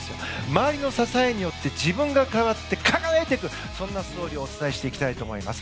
周りの支えによって自分が変わって、輝いていくそんなストーリーをお伝えしていきたいと思います。